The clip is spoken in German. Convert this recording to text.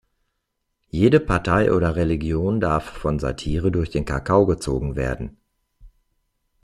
Jede Partei oder Religion darf von Satire durch den Kakao gezogen werden.